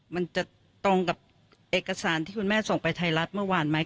มันจะตรงกับเอกสารที่คุณแม่ส่งไปไทยรัฐเมื่อวานไหม